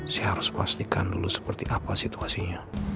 saya harus pastikan dulu seperti apa situasinya